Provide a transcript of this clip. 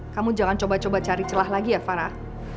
kamu jangan coba coba cari celah lagi ya fana